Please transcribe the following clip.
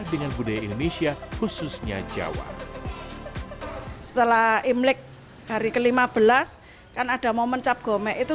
dengan budaya indonesia khususnya jawa setelah imlek hari ke lima belas kan ada momen cap gome itu